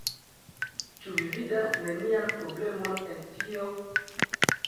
Ĉu vi vidas nenian problemon en tio?